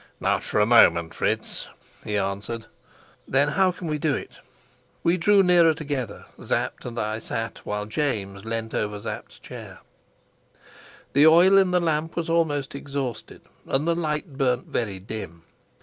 "Not for a moment, Fritz," he answered. "Then how can we do it?" We drew nearer together; Sapt and I sat, while James leant over Sapt's chair. The oil in the lamp was almost exhausted, and the light burnt very dim.